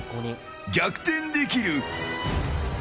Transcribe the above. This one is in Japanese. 逆転できる。